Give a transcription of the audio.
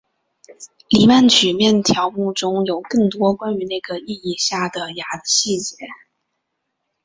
黎曼曲面条目中有更多关于那个意义下的芽的细节。